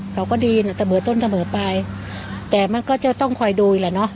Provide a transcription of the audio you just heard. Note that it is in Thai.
เขาก็ดีน่ะเสมอต้นเสมอไปแต่มันก็จะต้องคอยดูอีกแหละเนอะ